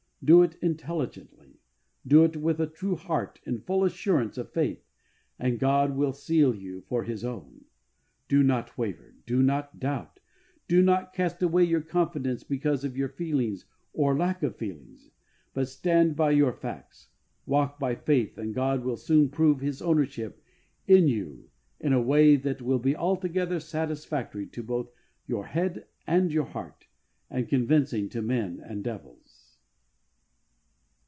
Do it intelligently. Do it with a true heart, in full assurance of faith, and God will seal you for His own. Do not waver. Do not doubt. Do not cast away your confidence because of your feelings or lack of feelings, but stand by your facts ; walk by faith, and God will soon prove His ownership in you in a way that will be altogether satisfactory to both your head and your heart, and convincing to men and devils.